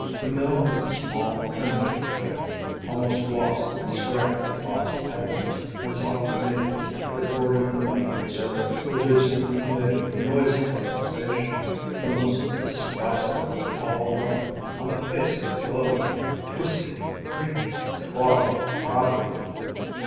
The mill was a small, primitive affair, almost lost in the straggling box elders and soft maples that bordered the muddy Missouri, producing, amid noisy protestations, the most despisable of all lumber on the face of the globe twisting, creeping, crawling cottonwood.